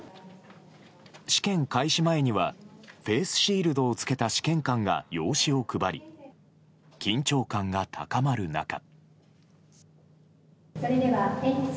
試験開始前にはフェースシールドを着けた試験官が用紙を配り緊張感が高まる中。